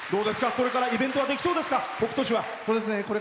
これからイベントはできそうですか？